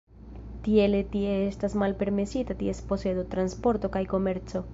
Tiele tie estas malpermesita ties posedo, transporto kaj komerco.